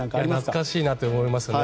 懐かしいなと思いますね。